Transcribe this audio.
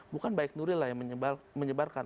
bukan baik nuril lah yang menyebarkan